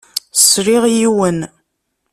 Sliɣ yiwen.